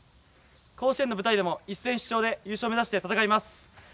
甲子園の舞台でも一戦必勝で優勝目指して戦います。